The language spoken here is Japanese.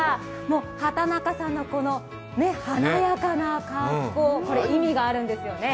畑中さんの華やかな格好、意味があるんですよね。